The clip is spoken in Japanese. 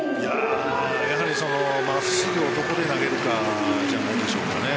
やはり真っすぐをどこで投げるかじゃないでしょうかね。